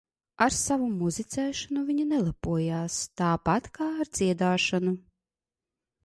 Ar savu muzicēšanu viņa nelepojās, tāpat kā ar dziedāšanu.